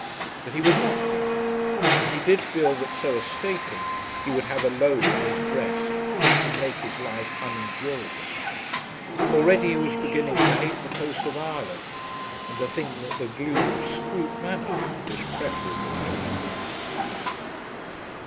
But he was not hard, and he did feel that so escaping, he would have a load on his breast which would make his life unendurable. Already he was beginning to hate the coast of Ireland, and to think that the gloom of Scroope Manor was preferable to it.